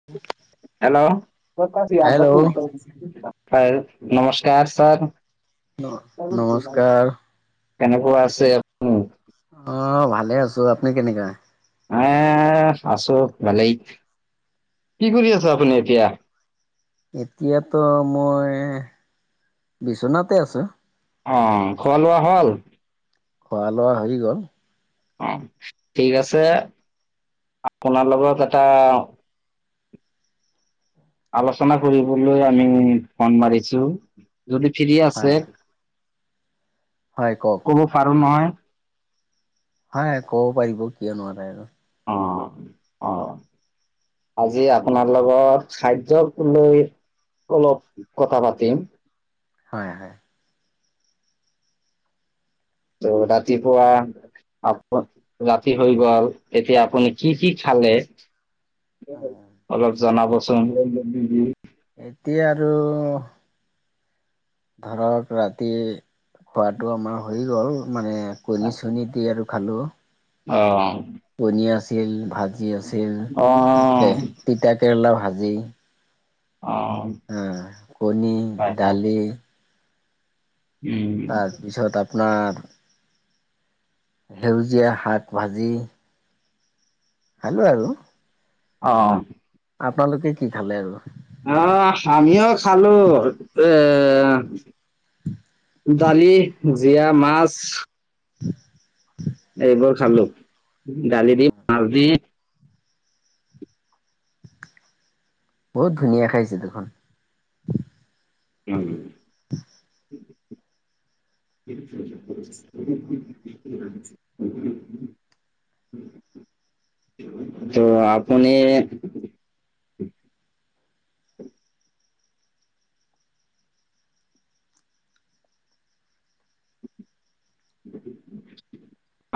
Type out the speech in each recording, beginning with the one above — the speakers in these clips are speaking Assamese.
[inaudible] হেল্ল'? হেল্ল' [unintelligible] হয়, নমস্কাৰ ছাৰ। [unintelligible] নমস্কাৰ কেনেকুৱা আছে [inaudible] অ' ভালে আছোঁ। আপুনি কেনেকা? এ আছোঁ ভালেই। কি কৰি আছা আপুনি এতিয়া? এতিয়া তো মই বিচনাতে আছোঁ। অ'। খোৱা-লোৱা হ'ল? খোৱা-লোৱা হৈ গ'ল। অ' ঠিক আছে। আপোনাৰ লগত এটা আলোচনা কৰিবলৈ আমি ফোন মাৰিছোঁ। যদি ফ্ৰী হয় আছে হয় কওঁক। ক'ব পাৰোঁ নহয়? হয়, ক'ব পাৰিব। কিয় নোৱাৰে আৰু। অ', অ'। আজি আপোনাৰ লগৰ খাদ্যক লৈ অলপ কথা পাতিম। হয় - হয়। তো ৰাতিপুৱা [unintelligible] ৰাতি হৈ গ'ল। এতিয়া আপুনি কি - কি খালে? অলপ জনাবচোন। এতিয়া আৰু ধৰক, ৰাতি খোৱাটো আমাৰ হৈ গ'ল। মানে কণী-চণী দি আৰু খালোঁ। অ'। কণী আছিল, ভাজি আছিল, অ', তে- তিতা কেৰেলা ভাজি অ'। অ' কণী, হয় হয়। দালি উম, তাৰপিছত আপোনাৰ সেউজীয়া শাক ভাজি খালোঁ আৰু। অ'। আপোনালোকে কি খালে আৰু? বাৰু আহ আমিও খালোঁ পে দালি, জিয়া, মাছ [unintelligible] এইবোৰ খালোঁ দালি দি ভাজি বহুত ধুনীয়া খাইছে দেখুন উম [unintelligible] ত আপুনি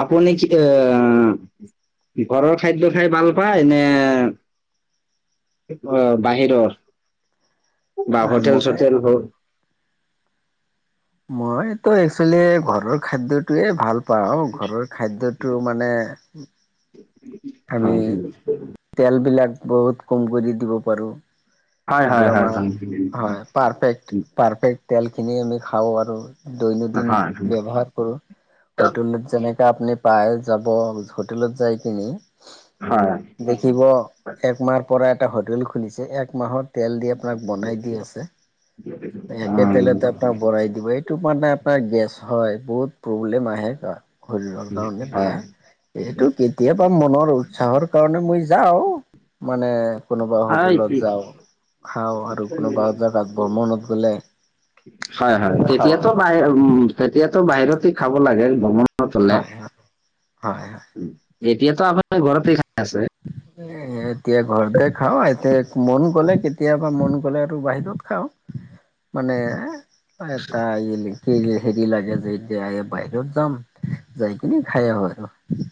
আপুনি কিটো অ ঘৰৰ খাদ্য খাই ভাল পায় নে, অ বাহিৰৰ বা হোটেল মই চোটেল বোৰ মই তো একচুৱেলি ঘৰৰ খাদ্যটোয়ে ভাল পাওঁ ঘৰৰ খাদ্যটো মানে আমি হয় তেলবিলাক বহুত কম কৰি দিব পাৰোঁ আৰু হয় হয় হয় আমাৰ হয় হয় পাৰফেক্ট পাৰফেক্ট তেল খিনি আমি খাওঁ আৰু দৈনন্দিন হয় ব্যৱহাৰ কৰোঁ হোটেলত যেনেকা আপুনি পায় যাব হোটেলত যাই কিনি হয় দেখিব একমাহ পৰা এটা হোটেল খুলিছে এক মাহত তেল দি আপোনাক বনাই দি আছে, একে হয় তেলতে আপোনাক বৰাই দিব এই টো মানে এটা গেছ হয় বহুত প্ৰব্লেম আহে শৰীৰৰ কাৰণে বেয়া হয় এইটো কেতিয়াবা মনৰ উৎসাহৰ কাৰণে মই যাওঁ মানে কোনোবা আই, হোটেলত ই- যাওঁ খাওঁ আৰু কোনোবা জেগাত ভ্ৰূমনত গ'লে হয় হয় খাওঁ তেতিয়াতো আৰু বাহিৰ উম তেতিয়াতো বাহিৰতে খাব লাগে ভ্ৰমণ ত হলে হয় হয়। হয় হয়। এতিয়াতো আপোনাৰ ঘৰতে খাই আছে এ এ এতিয়া ঘৰতে খাওঁ এতিয়া মন গ'লে কেতিয়াবা মন গ'লে আৰু বাহিৰত খাওঁ মানে অতাগিলি হিৰ হেৰি লাগে যে এতিয়া বাহিৰত যাম যাই কিনে খাই আহো আৰু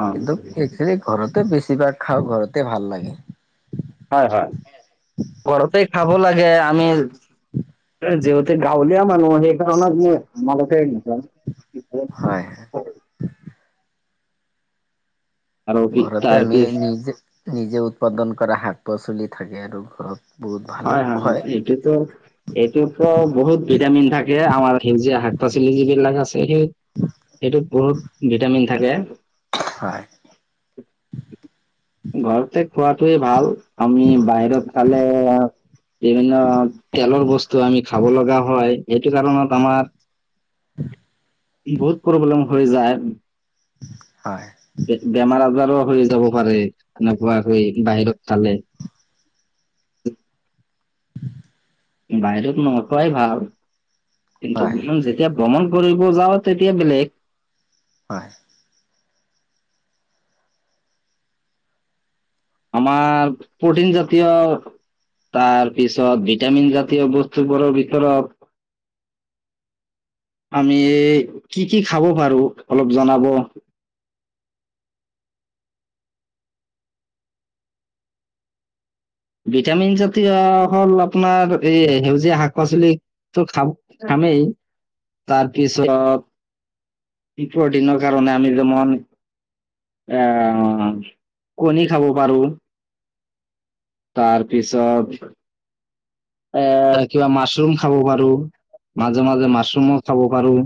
অ কিন্তু সেইখিনি ঘৰতে বেছিভাগ খাওঁ ঘৰতে ভাল লাগে হয় হয় ঘৰতে খাব লাগে আমি যিহেতু গাঁৱল দুখীয়া মানু্হ সেই কাৰনে মই মালতে জাং হয় আৰু কি ঘৰতে তাৰ আমি পিছ নিজে নিজে উৎপাদন কৰা শাক- পাচলি থাকে আৰু ঘৰত বহুত ভাল হয় হয় সেইটিটো এইটো বহুত ভিটামিন থাকে আমাৰ সেউজীয়া শাক পাচলি যিবিলাক আছে এইটো এইটোত বহুত ভিটামিন থাকে হয় [unintelligible] ঘৰতে খোৱাতোৱে, ভাল আমি বাহিৰত খালে বিভিন্ন তেলৰ বস্তু আমি খাব লগা হয় সেইটো কাৰণত হয় আমাৰ বহুত প্ৰব্লেম হৈ যায়। হয় বেমাৰ আজাৰো হৈ যাব পাৰে তেনেকুৱাকৈ বাহিৰত খালে। [unintelligible] বাহিৰত নোখোৱাই ভাল, কিন্তু হয় ইমান যে যেতিয়া ভ্ৰমণ কৰিব যাওঁ তেতিয়া বেলেগ। হয়। আমাৰ প্ৰটিন জাতীয়- তাৰ পিছত ভিটামিন জাতীয় বস্তুবোৰৰ ভিতৰত - আমি কি কি খাব পাৰোঁ অলপ জনাব। ভিটামিন জাতীয় হ'ল আপোনাৰ এই সেউজীয়া শাক পাচলি। তো খাম খামেই তাৰপিছত - পি প্ৰ'টিনৰ কাৰণে আমি যেমন এ কণী খাব পাৰোঁ। তাৰ পিছত - এ কিবা মাছৰুম খাব পাৰোঁ মাজে মাজে মাছৰুমো খাব পাৰোঁ।